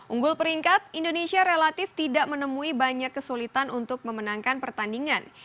unggul peringkat indonesia relatif tidak menemui banyak kesulitan untuk memenangkan pertandingan